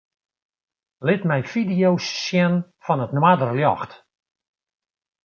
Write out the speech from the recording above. Lit my fideo's sjen fan it noarderljocht.